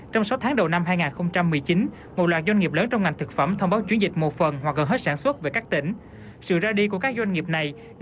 trong sáu tháng đầu năm các doanh nghiệp chuyển về các tỉnh lân cận đã diễn ra và ngày càng phổ biến